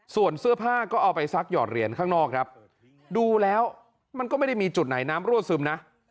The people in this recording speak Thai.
ส่วนเสื้อผ้าก็เอาไปซักหยอดเหรียญข้างนอกครับดูแล้วมันก็ไม่ได้มีจุดไหนน้ำรั่วซึมนะ